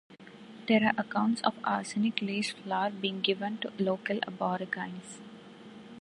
There are accounts of arsenic laced flour being given to local aborigines.